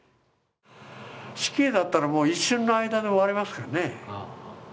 死刑だったら一瞬の間で終わりますね。